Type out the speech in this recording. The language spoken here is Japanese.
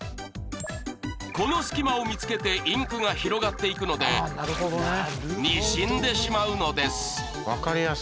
この隙間を見つけてインクが広がっていくのでにじんでしまうのです。